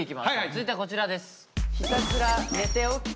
続いてはこちらです。